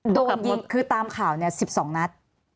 โดนยิงคือตามข่าว๑๒นัด